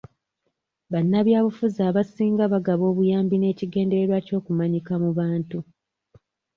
Bannabyabufuzi abasinga bagaba obuyambi n'ekigendererwa ky'okumanyika mu bantu.